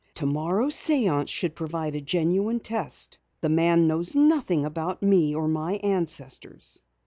Tomorrow's séance should provide a genuine test. The man knows nothing about me or my ancestors."